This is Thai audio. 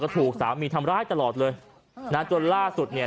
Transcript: ถูกสามีทำร้ายตลอดเลยนะจนล่าสุดเนี่ย